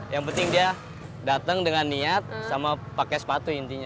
yang penting dia datang dengan niat sama pakai sepatu intinya